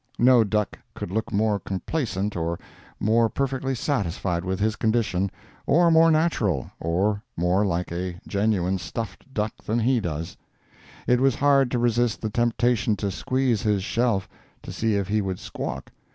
No duck could look more complacent or more perfectly satisfied with his condition, or more natural, or more like a genuine stuffed duck than he does. It was hard to resist the temptation to squeeze his shelf, to see if he would squawk.